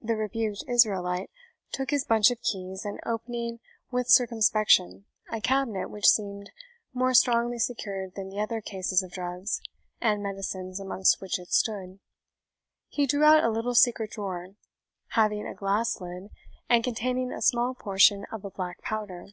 The rebuked Israelite took his bunch of keys, and opening with circumspection a cabinet which seemed more strongly secured than the other cases of drugs and medicines amongst which it stood, he drew out a little secret drawer, having a glass lid, and containing a small portion of a black powder.